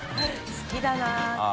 好きだな。